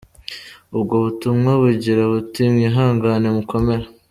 Ubwo butumwa bugira buti ”Mwihangane mukomere.